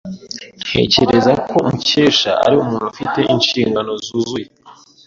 Ntekereza ko Mukesha ari umuntu ufite inshingano zuzuye.